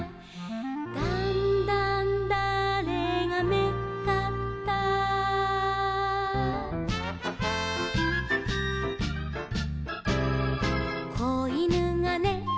「だんだんだあれがめっかった」「子いぬがね